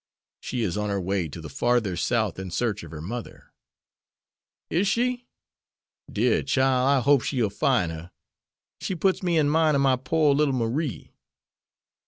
She is on her way to the farther South in search of her mother." "Is she? Dear chile! I hope she'll fine her! She puts me in mine ob my pore little Marie.